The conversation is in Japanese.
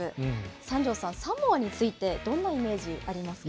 三條さん、サモアについて、どんなイメージありますか。